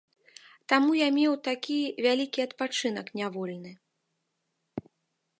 Таму я меў такі вялікі адпачынак нявольны.